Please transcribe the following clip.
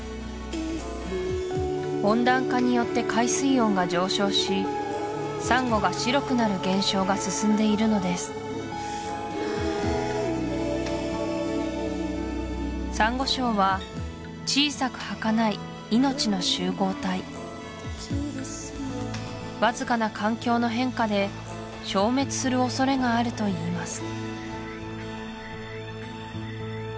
温暖化によって海水温が上昇しサンゴが白くなる現象が進んでいるのですサンゴ礁は小さくはかない命の集合体わずかな環境の変化で消滅する恐れがあるといいます